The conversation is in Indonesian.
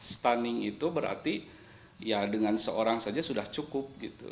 stunning itu berarti ya dengan seorang saja sudah cukup gitu